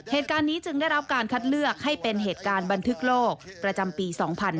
เหตุการณ์นี้จึงได้รับการคัดเลือกให้เป็นเหตุการณ์บันทึกโลกประจำปี๒๕๕๙